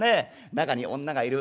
中に女がいる。